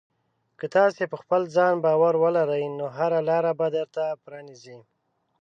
که تاسې په خپل ځان باور ولرئ، نو هره لاره به درته پرانیزي.